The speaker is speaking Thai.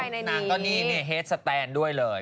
นางก็นี่เนี่ยเฮสแตนด์ด้วยเลย